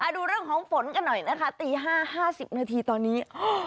ดูเรื่องของฝนกันหน่อยนะคะตี๕๕๐นาทีตอนนี้